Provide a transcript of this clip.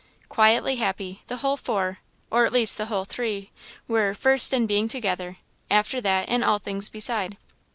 Quietly happy the whole four, or at least the whole three, were first, in being together after that, in all things beside.